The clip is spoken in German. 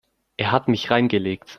Er hat mich reingelegt.